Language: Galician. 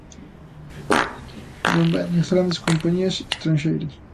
Non veñen grandes compañías estranxeiras.